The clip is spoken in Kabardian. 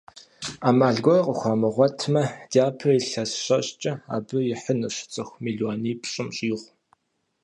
Ӏэмал гуэр къыхуамыгъуэтмэ, дяпэ илъэс щэщӀкӀэ абы ихьынущ цӏыху мелуанипщӀым щӀигъу.